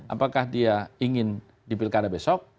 apakah dia ingin dipilkara besok